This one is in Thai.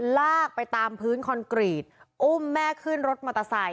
ลากไปตามพื้นคอนกรีตอุ้มแม่ขึ้นรถมอเตอร์ไซค